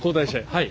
はい。